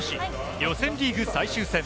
予選リーグ最終戦。